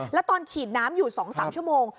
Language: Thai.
แล้วตอนฉีดน้ำอยู่๒๓ชั่วโมง